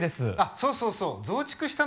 そうそうそう増築したのよね。